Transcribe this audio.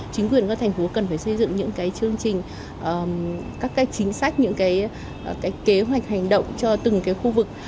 chính quyền của thành phố cần phải xây dựng những cái chương trình các cái chính sách những cái kế hoạch hành động cho từng cái khu vực